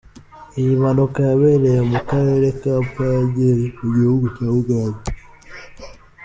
Iyi mpanuka yabereye mu karere ka Pader mu gihugu cya Uganda.